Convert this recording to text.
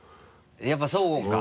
やっぱそうか。